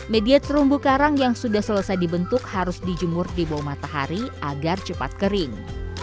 media terumbu karang yang sudah selesai dibentuk harus dijemur di bawah matahari agar cepat kering